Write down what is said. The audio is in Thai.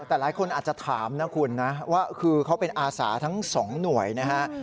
แต่หลายคนอาจจะถามนะคุณนะว่าคือเขาเป็นอาสาทั้งสองหน่วยนะฮะ